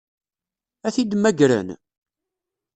Ad t-id-mmagren?